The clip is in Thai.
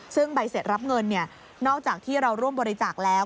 ซึ่งใบเสร็จรับเงินนอกจากที่เราร่วมบริจาคแล้ว